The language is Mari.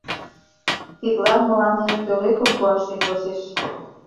Тидлан мыланем пӧлекым пуашет возеш.